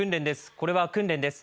これは訓練です。